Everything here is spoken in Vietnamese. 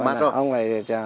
mình làm mát rồi